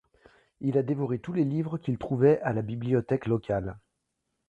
Il a dévoré tous les livres qu'il trouvait à la bibliothèque locale.